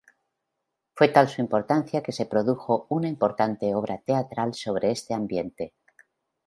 Fue tal su importancia que se produjo una importante obra teatral sobre este ambiente.